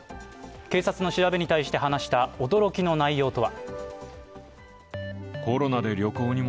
警察の調べに対して話した驚きの内容とは。